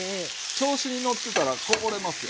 調子に乗ってたらこぼれますよ。